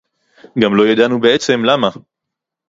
גַּם לֹא יָדַעְנוּ בְּעֶצֶם לָמָּה